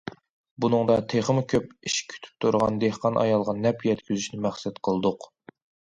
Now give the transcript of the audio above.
بۇنىڭدا تېخىمۇ كۆپ ئىش كۈتۈپ تۇرغان دېھقان ئايالغا نەپ يەتكۈزۈشنى مەقسەت قىلدۇق.